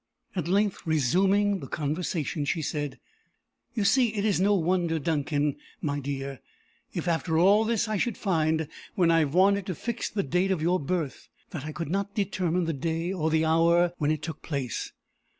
At length, resuming the conversation, she said: "You see it is no wonder, Duncan, my dear, if, after all this, I should find, when I wanted to fix the date of your birth, that I could not determine the day or the hour when it took place.